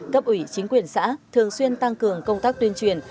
cấp ủy chính quyền xã thường xuyên tăng cường công tác tuyên truyền